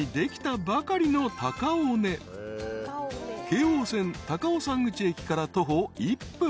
［京王線高尾山口駅から徒歩１分］